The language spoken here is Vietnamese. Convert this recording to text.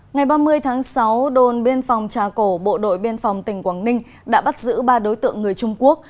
ngày ba mươi tháng sáu đồn biên phòng trà cổ bộ đội biên phòng tỉnh quảng ninh đã bắt giữ ba đối tượng người trung quốc